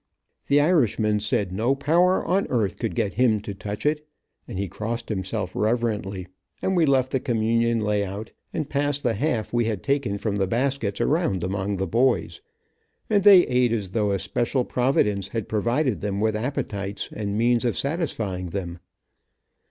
The Irishman said no power on earth could get him to touch it, and he crossed himself reverently, and we left the communion lay out, and passed the half we had taken from the baskets around among the boys, and they eat as though a special providence had provided them with appetites and means of satisfying them.